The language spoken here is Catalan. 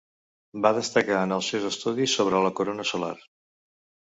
Va destacar en els seus estudis sobre la corona solar.